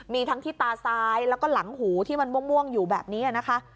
มีทั้งที่ตาซ้ายแล้วก็หลังหูที่มันม่วงอยู่แบบนี้นะคะ